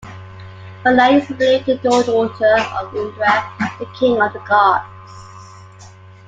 Banai is believed to the daughter of Indra, the king of the gods.